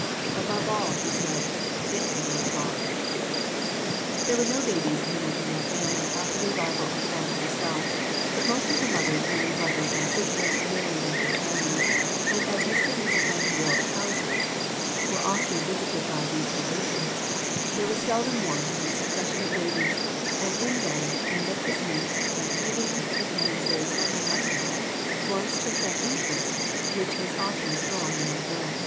'Above all,' he said, 'it did not talk.'" There were no babies in the Nightingale family after the arrival of Florence herself, but most of her mother's many brothers and sisters married and had families; and as Mr. and Mrs. Nightingale's houses were often visited by these relations, there was seldom wanting a succession of babies, and in them and their christenings, and teethings, and illnesses, and lessons, Florence took that interest which is often strong in little girls.